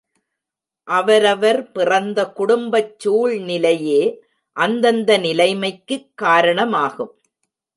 அவரவர் பிறந்த குடும்பச் சூழ்நிலையே அந்தந்த நிலைமைக்குக் காரணமாகும்.